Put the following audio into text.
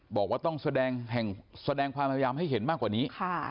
บอกว่าต้องแสดงแห่งแสดงความพยายามให้เห็นมากกว่านี้